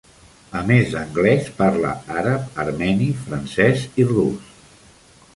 A més d'anglès, parla àrab, armeni, francès i rus.